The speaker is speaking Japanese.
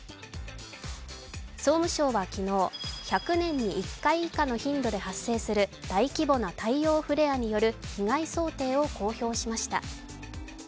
総務省は昨日、１００年に１回以下の頻度で発生する大規模な太陽フレアによる被害想定を公表しました。